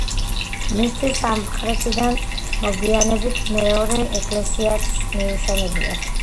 მისთვის სამხრეთიდან მოგვიანებით მეორე ეკლესიაც მიუშენებიათ.